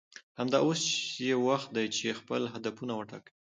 همدا اوس یې وخت دی چې خپل هدفونه وټاکئ